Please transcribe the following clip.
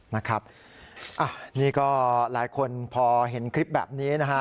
นะครับนี่ก็หลายคนพอเห็นคลิปแบบนี้นะฮะ